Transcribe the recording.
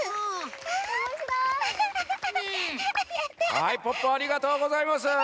はいポッポありがとうございます。